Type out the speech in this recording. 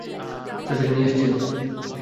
চাচাকে নিয়ে আসছি আমি।